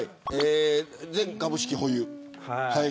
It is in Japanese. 全株式保有。